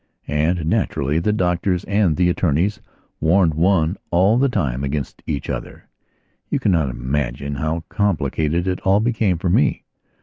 And, naturally, the doctors and the attorneys warned one all the timeagainst each other. You cannot imagine how complicated it all became for me.